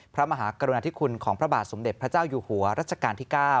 พระมหากรุณาธิคุณของพระบาทสมเด็จพระเจ้าอยู่หัวรัชกาลที่๙